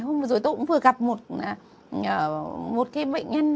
hôm vừa rồi tôi cũng vừa gặp một cái bệnh nhân